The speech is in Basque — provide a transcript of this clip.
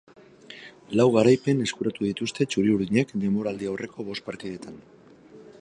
Lau garaipen eskuratu dituzte txuriurdinek denboraldi-aurreko bost partidetan.